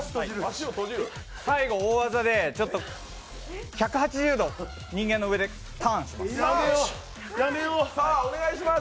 最後大技で、１８０度人間の上でターンします。